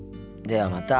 ではまた。